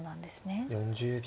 ４０秒。